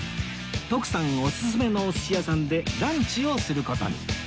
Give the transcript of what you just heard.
徳さんおすすめのお寿司屋さんでランチをする事に